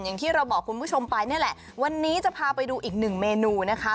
อย่างที่เราบอกคุณผู้ชมไปนี่แหละวันนี้จะพาไปดูอีกหนึ่งเมนูนะคะ